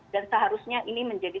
dan seharusnya ini menjadi